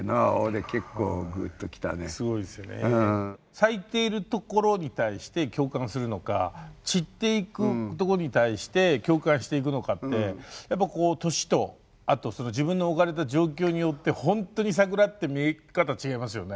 咲いているところに対して共感するのか散っていくとこに対して共感していくのかってやっぱ年とあとその自分の置かれた状況によってほんとに桜って見え方違いますよね。